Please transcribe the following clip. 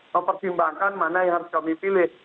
mempertimbangkan mana yang harus kami pilih